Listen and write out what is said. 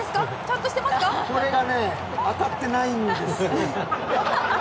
これ、当たってないんですよ。